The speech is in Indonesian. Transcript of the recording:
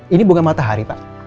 ini bunga matahari pak